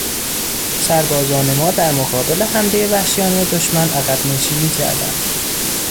سربازان ما در مقابل حملهی وحشیانهی دشمن عقبنشینی کردند.